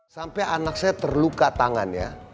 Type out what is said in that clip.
sampai anak saya terluka tangannya